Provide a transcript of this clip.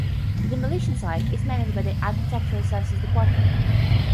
The demolition site is managed by the Architectural Services Department.